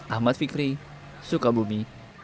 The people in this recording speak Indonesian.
ahmad fikri sukabumi